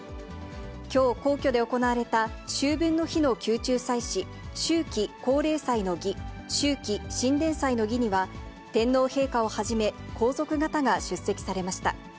きょう、皇居で行われた秋分の日の宮中祭祀、秋季皇霊祭の儀、秋季神殿祭の儀には、天皇陛下をはじめ皇族方が出席されました。